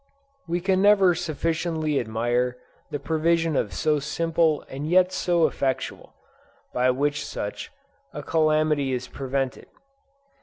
We can never sufficiently admire the provision so simple and yet so effectual, by which such a calamity is prevented.